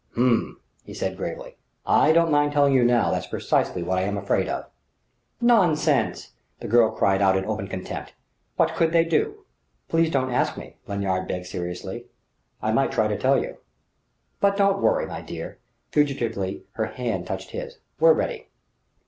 "Hum!" he said gravely. "I don't mind telling you now, that's precisely what I am afraid of." "Nonsense!" the girl cried in open contempt. "What could they do?" "Please don't ask me," Lanyard begged seriously. "I might try to tell you." "But don't worry, my dear!" Fugitively her hand touched his. "We're ready."